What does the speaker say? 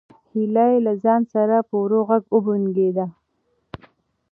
هیلې له ځان سره په ورو غږ وبونګېده.